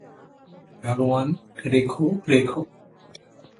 গাড়োয়ান, রোখো, রোখো!